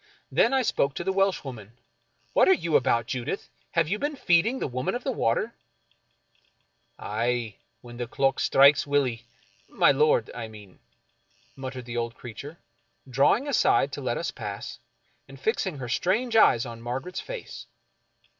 Then I spoke to the Welshwoman :" What are you about, Judith ? Have you been feeding the Woman of the Water ?"" Aye — when the clock strikes, Willie — my Lord, I mean," muttered the old creature, drawing aside to let us pass, and fixing her strange eyes on Margaret's face.